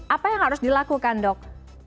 apa yang harus dilakukan dok